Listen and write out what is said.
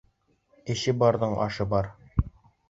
Эше барҙың ашы бар